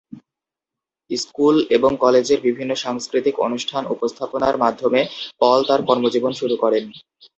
School এবং কলেজের বিভিন্ন সাংস্কৃতিক অনুষ্ঠান উপস্থাপনার মাধ্যমে পল তার কর্মজীবন শুরু করেন।